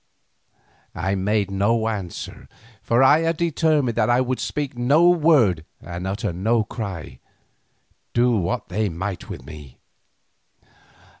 I made no answer, for I had determined that I would speak no word and utter no cry, do what they might with me.